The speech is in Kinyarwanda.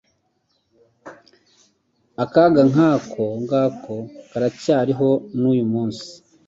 Akaga nk'ako ngako karacyariho n'uyu munsi.